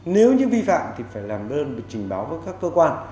nếu như vi phạm thì phải làm đơn trình báo với các cơ quan